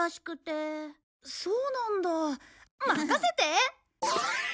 そうなんだ任せて！